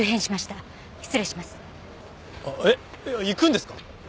行くんですか？